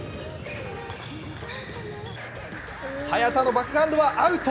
早田のバックハンドはアウト。